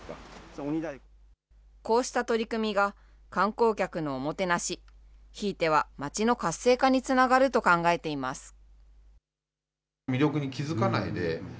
こうした取り組みが、観光客のおもてなし、ひいては町の活性化につながると考えています。